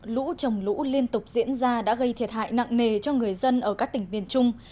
lũ trồng lũ liên tục diễn ra đã gây thiệt hại nặng nề cho người dân ở các tỉnh miền trung